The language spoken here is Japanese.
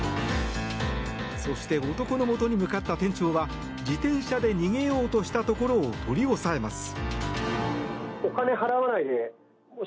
そして男のもとに向かった店長は自転車で逃げようとしたところを取り押さえます。